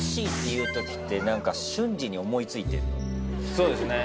そうですね